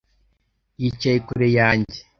Yicaye kure yanjye